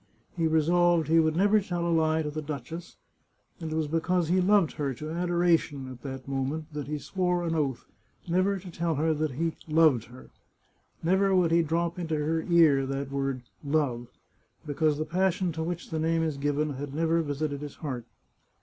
He resolved he would never tell a lie to the duchess ; and it was because he loved her to adoration at that moment that he swore an oath never to tell her that he loved her; never would he drop into her ear that word love, because the passion to which the name is given had never visited his heart.